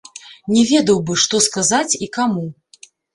Не ведаў бы, што сказаць і каму.